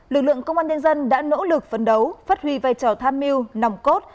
lực lượng công an nhân dân đã nỗ lực phấn đấu phát huy vai trò tham mưu nòng cốt